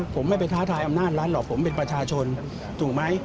ผมไม่ไปท้าทายอำนาจรัฐหรอกผมเป็นประชาชนถูกไหม